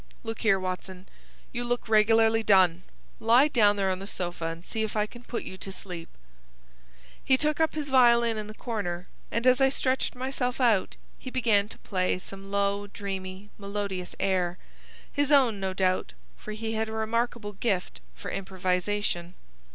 Look here, Watson; you look regularly done. Lie down there on the sofa, and see if I can put you to sleep." He took up his violin from the corner, and as I stretched myself out he began to play some low, dreamy, melodious air,—his own, no doubt, for he had a remarkable gift for improvisation.